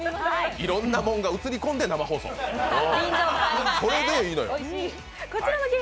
いろんなものが映り込んで生放送、それでいいのよ。